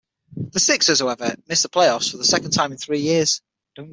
The Sixers, however, missed the playoffs for the second time in three years.